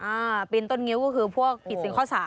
อ่าขึ้นตนเงี้ยวก็คือพวกผิดสิ่งข้อสาร